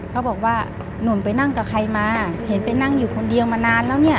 เขาบอกว่าหนุ่มไปนั่งกับใครมาเห็นไปนั่งอยู่คนเดียวมานานแล้วเนี่ย